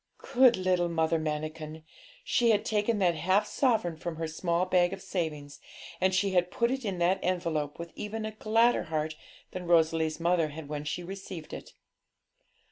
Good little Mother Manikin! she had taken that half sovereign from her small bag of savings, and she had put it in that envelope with even a gladder heart than Rosalie's mother had when she received it.